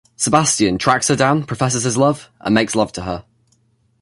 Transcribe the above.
Sebastian tracks her down, professes his love, and makes love to her.